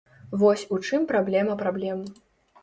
Вось у чым праблема праблем.